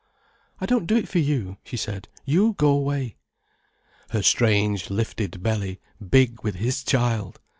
"I don't do it for you," she said. "You go away." Her strange, lifted belly, big with his child!